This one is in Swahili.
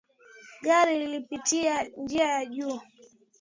Gari lilipitia njia ya juu